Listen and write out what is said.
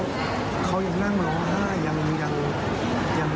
ที่เมื่อวานเราพอคุยให้พี่นวลสืบแล้วเขายังนั่งร้องไห้